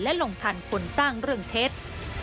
ลงทันคนสร้างเรื่องเท็จ